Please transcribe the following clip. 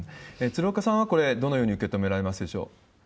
鶴岡さんはこれ、どのように受け止められますでしょう？